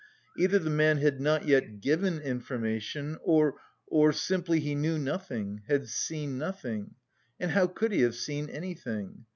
Either the man had not yet given information, or... or simply he knew nothing, had seen nothing (and how could he have seen anything?)